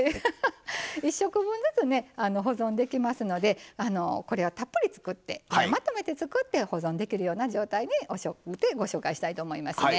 １食分ずつね保存できますのでこれはたっぷり作ってまとめて作って保存できるような状態でご紹介したいと思いますね。